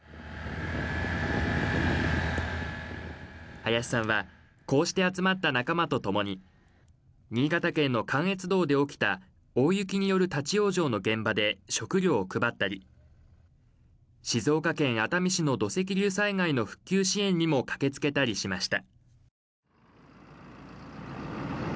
林さんは、こうして集まった仲間とともに新潟県の関越道で起きた大雪による立往生の現場で食料を配ったり、静岡県熱海市の土石流災害の復旧支援にも駆けつけたりしました。